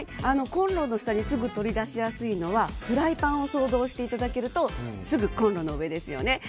コンロの下ですぐ取り出しやすいのはフライパンを想像していただけるとすぐコンロの上ですね。